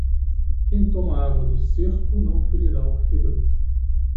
Quem toma a água do cerco não ferirá o fígado.